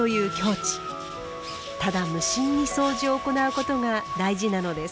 ただ無心にそうじを行うことが大事なのです。